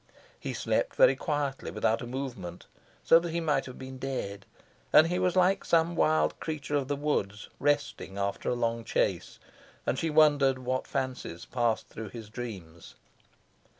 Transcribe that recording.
He slept very quietly, without a movement, so that he might have been dead, and he was like some wild creature of the woods, resting after a long chase; and she wondered what fancies passed through his dreams.